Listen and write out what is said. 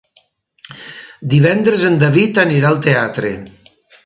Divendres en David anirà al teatre.